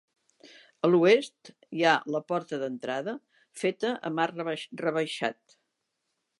A l'oest hi ha la porta d'entrada, feta amb arc rebaixat.